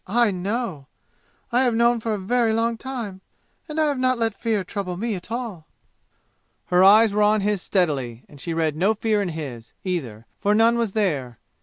I know! I have known for a very long time! And I have not let fear trouble me at all!" Her eyes were on his steadily, and she read no fear in his, either, for none was there.